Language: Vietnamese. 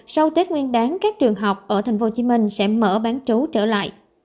sau tết nguyên đáng các trường học ở tp hcm sẽ mở bán trú trở lại